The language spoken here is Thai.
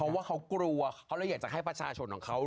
เพราะว่าเขากลัวเขาเลยอยากจะให้ประชาชนของเขา